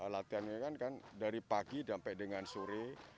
latihannya kan dari pagi sampai dengan sore